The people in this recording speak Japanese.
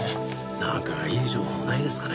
何かいい情報ないですかね？